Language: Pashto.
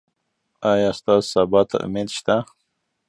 ایا ستاسو سبا ته امید شته؟